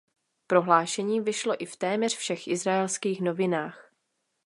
Prohlášení vyšlo i v téměř všech izraelských novinách.